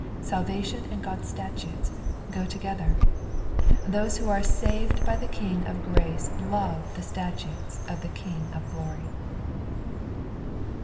Salva tion and God's statutes go together : those who are saved by the King of grace love the statutes of the King of glory.